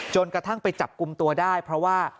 กระทั่งไปจับกลุ่มตัวได้เพราะว่า